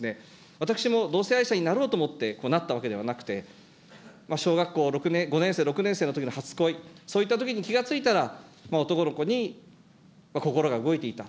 私も同性愛者になろうと思ってなったわけではなくて、小学校５年生、６年生のときの初恋、そういったときに気がついたら、男の子に心が動いていた。